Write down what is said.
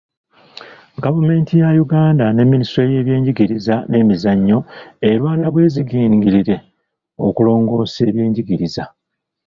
Gavumenti ya Uganda ne Minisitule y'ebyenjigiriza n'emizannyo erwana bweziringirire okulongoosa ebyenjigiriza.